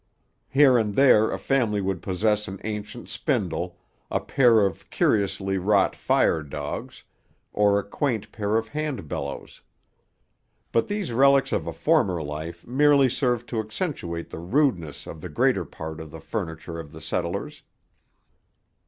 Here and there a family would possess an ancient spindle, a pair of curiously wrought fire dogs, or a quaint pair of hand bellows. But these relics of a former life merely served to accentuate the rudeness of the greater part of the furniture of the settlers.